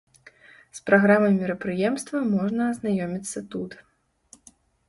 З праграмай мерапрыемства можна азнаёміцца тут.